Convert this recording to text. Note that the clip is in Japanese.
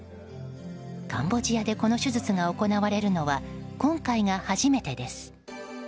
カンボジアでこの手術が行われるのは今回が初めてです。